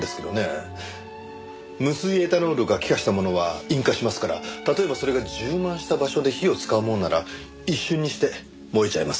無水エタノールが気化したものは引火しますから例えばそれが充満した場所で火を使おうものなら一瞬にして燃えちゃいます。